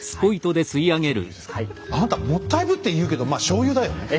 あなたもったいぶって言うけどまあしょうゆだよね。